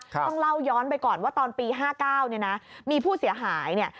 ต้องเล่าย้อนไปก่อนว่าตอนปี๕๙เนี่ยนะมีผู้เสียหายเนี่ย